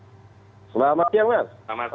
selamat siang mas